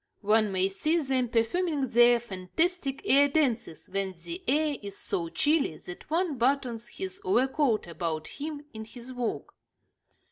One may see them performing their fantastic air dances when the air is so chilly that one buttons his overcoat about him in his walk.